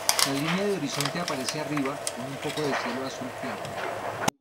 La línea de horizonte aparece arriba, con un poco de cielo azul claro.